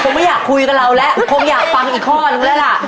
ไม่อยากคุยกับเราแล้วคงอยากฟังอีกข้อนึงแล้วล่ะ